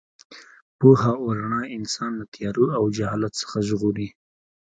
پوهه او رڼا انسان له تیارو او جهالت څخه ژغوري.